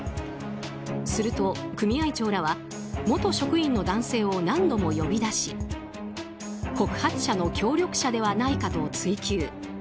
すると、組合長らは元職員の男性を何度も呼び出し告発者の協力者ではないかと追及。